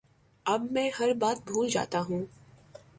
اب میں ہر بات بھول جاتا ہوں